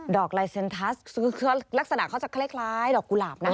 อกลายเซ็นทัสลักษณะเขาจะคล้ายดอกกุหลาบนะ